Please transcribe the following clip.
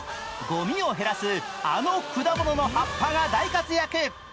ごみを減らすあの果物の葉っぱが大活躍。